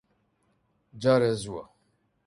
جارێ زووە.